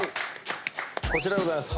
こちらでございます。